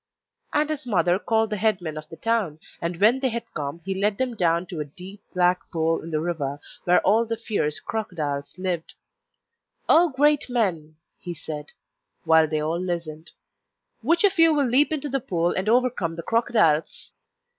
And his mother called the head men of the town, and when they had come he led them down to a deep black pool in the river where all the fierce crocodiles lived. 'O great men!' he said, while they all listened, 'which of you will leap into the pool and overcome the crocodiles?